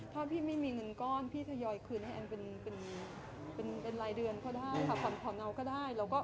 ถ้าพี่ไม่มีเงินก้อนพี่ทยอยคืนให้แอนเป็นรายเดือนก็ได้ค่ะผ่อนเงาก็ได้